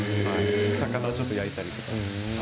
魚をちょっと焼いたりとか。